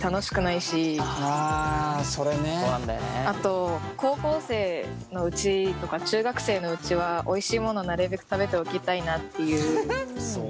あと高校生のうちとか中学生のうちはおいしいものをなるべく食べておきたいなっていう。